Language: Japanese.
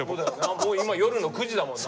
もう今夜の９時だもんな。